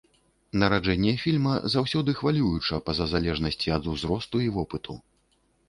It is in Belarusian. Нараджэнне фільма заўсёды хвалююча па-за залежнасці ад узросту і вопыту.